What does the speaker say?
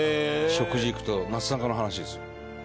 食事行くとなすなかの話ですよ。